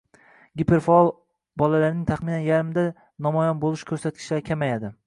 giperfaol bolalarning taxminan yarmida Djosgning namoyon bo‘lish ko‘rsatkichlari kamayadi.